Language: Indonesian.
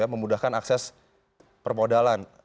memudahkan akses permodalan